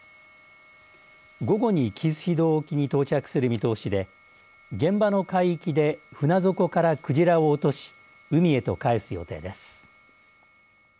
午後に紀伊水道沖に到着する見通しで、現場の海域で船底から鯨を落とし海へとかえす予定です。